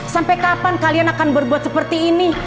sampai kapan kalian akan berbuat seperti ini